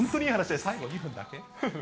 最後２分だけ？